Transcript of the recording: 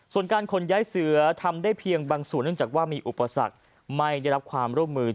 ส่วนการขนย้ายเสือทำได้เพียงบางส่วนเนื่องจากว่ามีอุปสรรคไม่ได้รับความร่วมมือ